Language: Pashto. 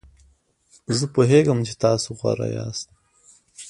زه پوهیږم چې تاسو غوره یاست.